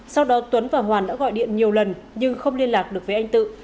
sau đó tuấn và hoàn đã gọi điện nhiều lần nhưng không liên lạc được với anh tự